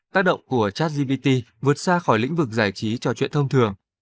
tác động của chartsgpt vượt xa khỏi lĩnh vực giải trí trò chuyện thông thường